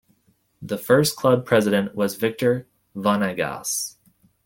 The first club President was Victor Vanegas.